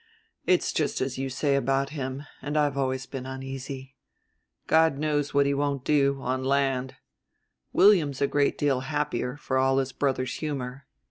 "It's just as you say about him, and I've always been uneasy. God knows what he won't do on land. William's a great deal happier, for all his brother's humor.